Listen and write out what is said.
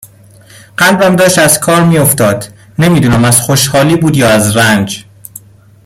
قلبم داشت از کار می افتاد نمی دونم از خوشحالی بود یا از رنج